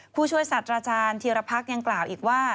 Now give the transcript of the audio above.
ผู้ช่วยสัตว์อาจารย์ธีรพักษ์ยังกล่าวอีกว่า